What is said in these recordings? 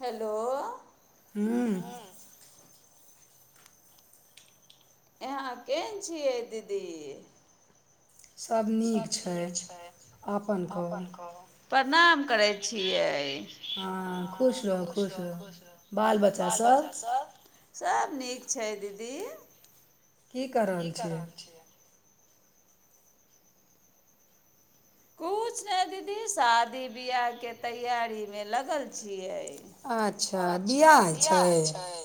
Hello हँ। अहाँ केहन छियै दीदी। सभ नीक छै अपन कहू। प्रणाम करै छियै। हँ खुश रहू खुश रहू बाल बच्चा सब सब नीक छै। दीदी। की कऽ रहल छियै। किछु नहि दीदी शादी ब्याहके तैयारीमे लगल छियै। अच्छा बियाह छै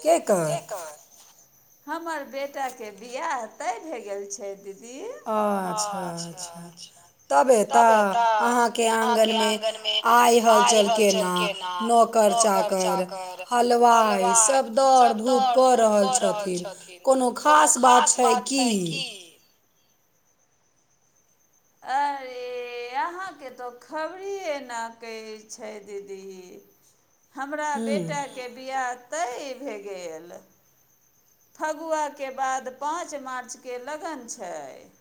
केकर। हमर बेटाके बिआह तय भए गेल छै दीदी। अच्छा अच्छा तब ए। तऽ अहाँके आंगनमें आइ हलचल केना नोकर चाकर हलवाइ सभ दौड़ धूप कऽ रहल छथिन कोनो खास बात छै की। अरे अहाँके तऽ खबरिए ने कहै छै दीदी। हमरा बेटाके बियाह। तै ई भए गेल। फगुआ के बाद पाँच मार्चके लगन छै।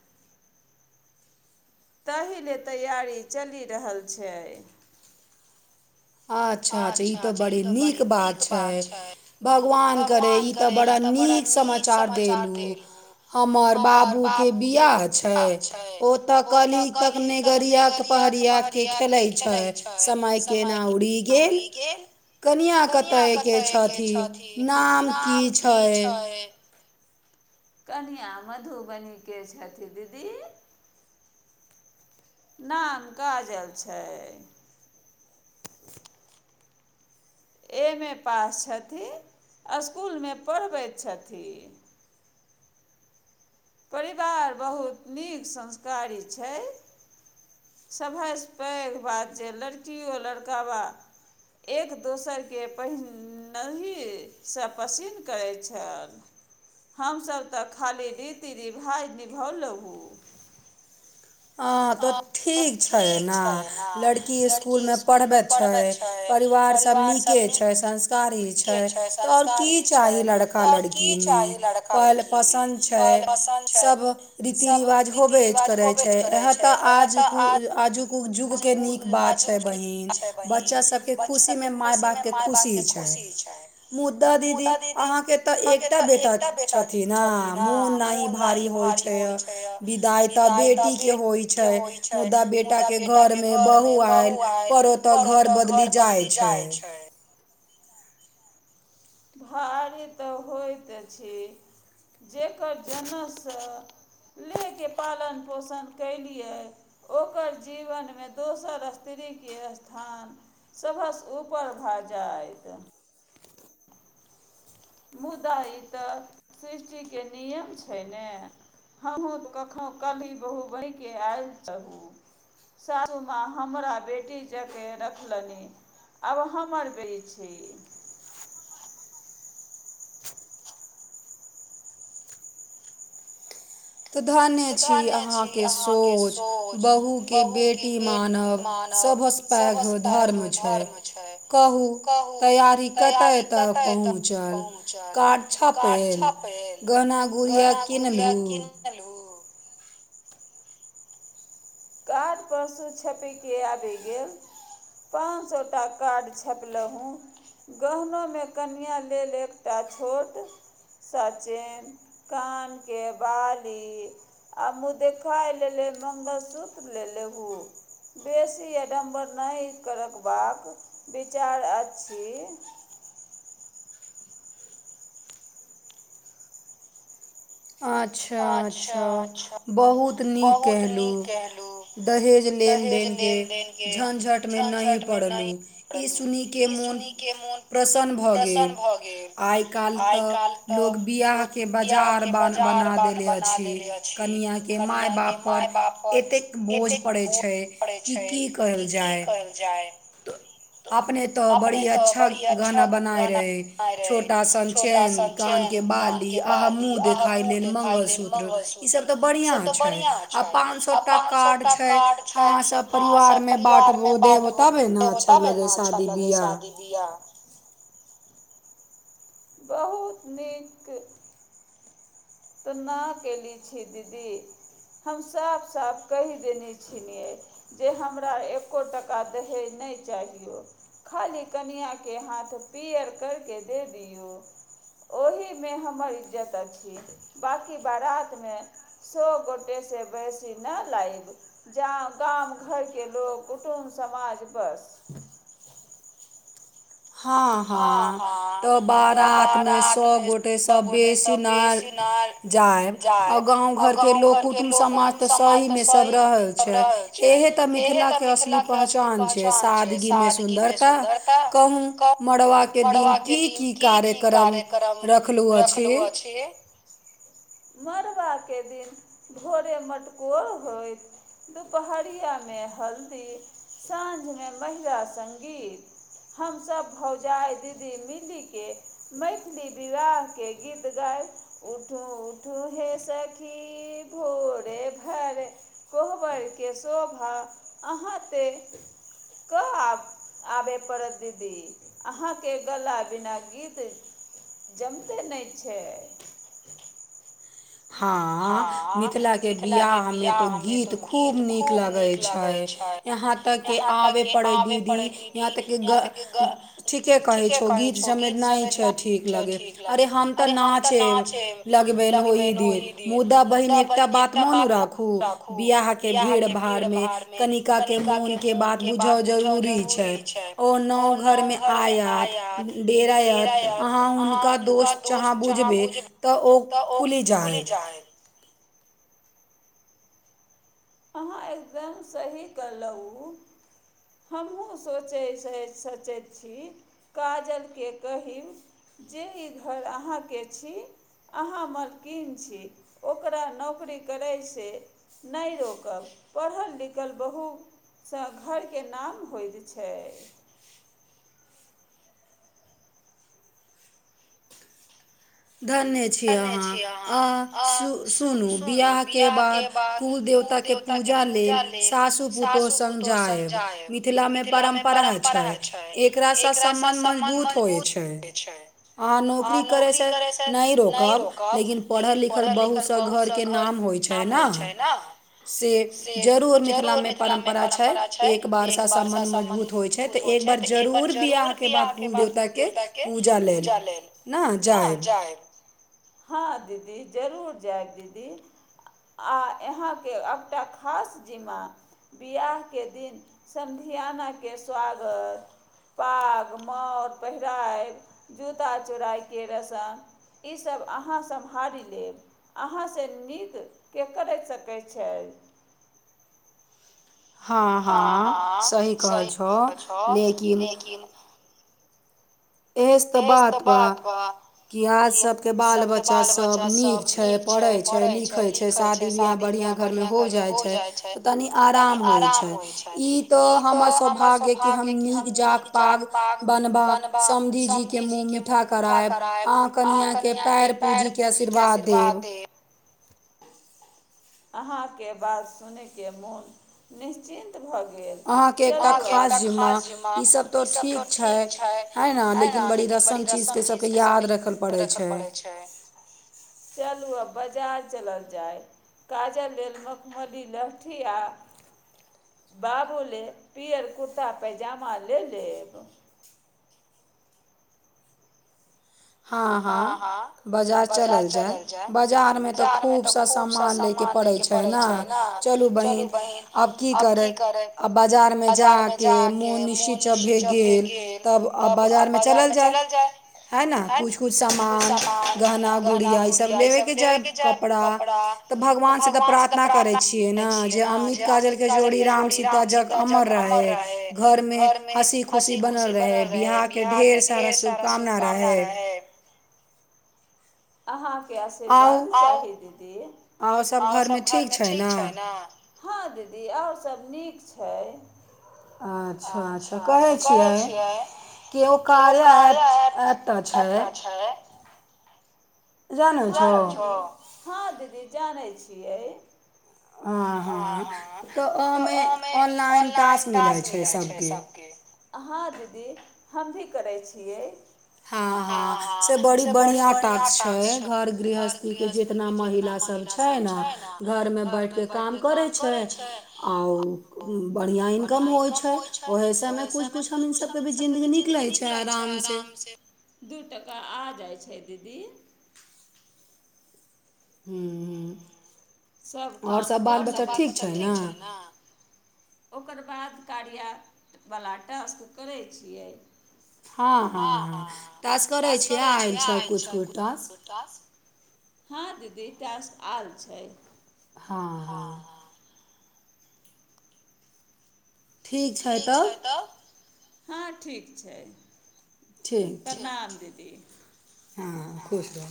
तहि ले तैयारी चलि रहल छै। अच्छा अच्छा ई तऽ बड़ी नीक बात छै भगवान करे ई तऽ बड़ा नीक समाचार देलु हमर बाबूके ब्हाय छै ओ तऽ कहली ई तक नै गरिया पहरियाके खेलैत छै समयके गेल कनिया कतऽ के छथि नाम की छै? कनिया मधुबनीके छथि दीदी। नाम काजल छै। एम ए पास छथि अस्कुल मे पढ़बैत छथि। परिवार बहुत नीक संस्कारी छै सभासे पैघ बात जे लड़कियो लड़कबा एक दोसरके पहनहि से पसिन करैत छल, हमसभ तऽ खाली रीत ती रीभाय निभोलोहु। अ तऽ ठीक छै ने लड़की स्कूल मे पढ़बै छै परिवार सब नीके छै संस् कारे छै तऽ और की चाही लड़का लड़की मे पहले पसन्द छै सब रीति रिवाज होबे करै इहे तऽ आज कु आजुक जुग के नीक बात छै बहिन बच्चा सबके खुशी मे माय बाप के खुशी छै। मुदा दीदी अहाँके तऽ एकटा बेटा छथि नै मोन नै भारी होइ छै यै बिदाइ तऽ बे टीके होय छै मुदा बेटाके घरमे बहु आयल पर ओतऽ घर बदलि जाइ छै। भारी तऽ होइत अछि। जेकर जेना से लेके पालन पोषण केलियै ओकर जीवनमे दोसर अस्त्रीके स्थान सभस ऊपर भऽ जाएत। तऽ मुदा ई तऽ सृष्टिके नियम छै ने हमहूँ तऽ कखनो कल्हि बहूबनिके आयल रहू सासू माँ हमरा बेटी जा क रखलनि आब हमर बेरी छी। तऽ धन्य छी अहाँके सोच बहूके बेटी मानब सभसँ पैघ धर्म छै, कहू तैयारी कतय तक पहुँचल कार्ड छपेल, गहना गुड़िया किनलु। कार्ड परशू छपिके आबि गेल पानसौटा कार्ड छपलहुँ गहनोमे कनिया लेल एकटा छोट सा चेन कान के बाली आ मुँह देखाय लेल मंगलसूत्र। लेलेहु बेसी अडम्बर नै करबाक विचार अछि। अच्छा अच्छा बहुत नीक कहलु दहेज लेनदेनके झंझटमे नै पड़लु ई सुनी के मोन प्रसन्न भऽ गेल आइ काएल तऽ लोग बियाहके बाजार बान देले अछि कनिया के माय बाप पर एतेक बोझ पड़े छै कि की कहल जाय त अपने तो बड़ी अच्छा गहना बनाय रहे छोटा सन चेन, कान के बाली अहां मुंह देखाय लेल मंगलसूत्र ई सब तऽ बढ़िया छै आ पान सौ टा कार्ड छै अहां सब परिवारमे बाँटबो तबे ने अच्छा लगै शादी बियाह। बहुत नीक तऽ न कयली छी दीदी हम साफ साफ कहि देने छलियै जे हमरा एक्को टाका दहेज नै चाहियौ खाली कनियाके हाथ पीयर करि कऽ दए दियौ ओहीमे हमर इज्जत अछि। बाँकी बारात मे सौ गोटे से बेसी न लाइब जा गाम घरके लोग कुटुम्ब समाज बस हां हां तऽ बारातमे सौ गोटे सब बेसी न जायब आ गाँव घरके लोक कुटुम्ब समाज तऽ सहीमे सब रहे छै एहे तऽ मिथिलाके असली पहचान छै सादगीमे सुन्दरता कहूँ मड़बा के दिन की की कार्यक्रम रखलु अछि। मड़बाके दिन भोरे मटकोर होइत दुपहरियामे हल्दी साँझ मे महिला संगीत हम सब भौजाय दीदी मिलीके मैथिली विवाहके गीत गाय उठू उठू हे सखी भोरे भर कोहबरके शोभा अहाँते कऽ आब आबै पड़त दीदी अहाँके गला बिना गीत जमतै नै छै। हां, मिथिला के बियाह मे त गीत खूब नीक लागय छय। इहां तक कि आबय पड़ै दीदी, इहां तक कि ग ठीके कहै छौ गीत सबमे नहि छय ठीक लागै, अरे हम त नाचय लगबनि, ओहि मुदा बहिन एकटा बात मोन राखु बियाह के भीड़ भाड़ मे कनिका के मोन के बात बुझब जरूरी छै ओ नव घर मे आयत, डेरायत अहाँ हुनका दोस्त जहां बुझबइ त ओ खुलि पाइ। जायब। अहां एकदम सही केलहुं, हमहुं सोचै जे सोचैत छी काजल के कही जे इ घर अहां के छी अहां मलकिन छी, ओकरा नौकरी करय सं नहि रोकु। त पढ़ल लिखल बहु सं घर के नाम होइत छै। धन्य छी अहां आ सु सुनु, बियाह के बाद कुलदेवताके पूजा लेल सासु पुतोहु सङ्ग जायब मिथिलामे परम्परा छै। एकरा से सम्बन्ध मजबुत होइ छै। अहांनौकरी करय से नहि रोकब, लेकिन पढ़ल लिखल बहु से घर के नाम होइ छै ने, से जरूर मिथिला मे परम्परा छै, त एकबार सं सम्बन्ध मजबूत होइ छै त एकबार जरूर बियाह के बाद कुल देवताके पूजा लेल, ने, जायब। हां दीदी, जरुर जायब दीदी, आ अहांके एकटा खास जिम्मा, बियाह के दिन समधियानाके स्वागत, पाग मर पहिरायब, जुता चोराइ के रसम इ सब अहां सम्हारि लेब, अहां से नीक के करि सकय छै। हां हां, सही कहय छह, लेकिन एस त बात बा, कि आज सबके बाल बचा सब नीक छय, पढ़य छै, लिखय छय, शादी बियाह बढ़ियां घरमे होइ जाइ छय, त तनि आराम होइ छय। इ त हमर सौभाग्य अ कि हम नीक जात पाग बनबा समधीजी के मुंह मीठा करायब आ कनियां के पएर पुजिके आशीर्वाद देब। अहांके बात सुनिके मोन निश्चिन्त भ गेल। गेल, चलु आब, अहांके एकटा खास जिम्मा, इ सब त ठीक छय एं लेकिन बड़ी रसम चीज के सबके याद रखल परै छै। चलू आब। बजार चलल जाइ। काजल लेल मखमली लहठी आ बाबु ले पीयर कुरता पयजामा लय लेब। हां हां बजार चलल जाय। बजारमे त खुब सा सामान लयके पड़ै छै ने। चलु बहिन, आब की करइ, आब बजारमे जा के मोन निशिच भ गेल। तब आब बजार मे चलल जाय। है ने। कुछ कुछ सामान, गहना गुड़िया इ सब लेइ के जाय कपड़ा त भगवान सं त प्रार्थना करय छियै ने जे अमित काजलके जोड़ी राम सीता जग अमर रहय घरमे हंसी खुशी बनल रहै बियाह के ढेर सारा शुभकामना रहै। अहां। के आशीर्वाद, और, दीदी, और सब घर मे ठीक छै ने, हां दीदी। दीदी और सब नीक छै। आछा, अच्छा, कहै छियै कि ओ कार्य अछि एक्का छै। जानय छौ। हां दीदी जानै छी। छीयै हां हां, त ओहिमे ऑनलाइन तास मिलै छै सबके। हम भी करय छियै। हां हां से बड़ी बढ़ियां ताक छै। घर गृहस्थी के जितना महिला सब छै ने, घरमे बैठ के काम करै छै आ बढ़ियां इनकम होइ छै। ओहि से ने कुछ कुछ हम इन सबके भी जिन्दगी निकलय छै आराम से। दु टका आ जाइ छै, दीदी। हुं, और सब बाल बच्चा ठीक छै ने। सब काम क लै छियै, ओकर बाध कार्या बला टास्क करै छियै। हाँ हाँ हाँ टास्क करै छिये, आयल छै कुछ कुछ टास्क। टास्क आयल छै। हाँ हाँ। ठीक छै तब। हाँ ठीक छै। परनाम दीदी। हाँ खुश रह।